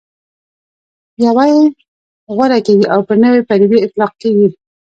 یوه یې غوره کېږي او پر نوې پدیدې اطلاق کېږي.